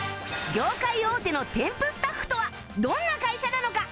業界大手のテンプスタッフとはどんな会社なのか？